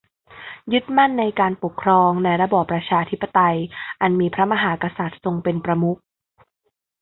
ยึดมั่นในการปกครองในระบอบประชาธิปไตยอันมีพระมหากษัตริย์ทรงเป็นประมุข